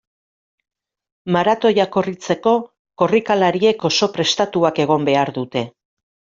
Maratoia korritzeko, korrikalariek oso prestatuak egon behar dute.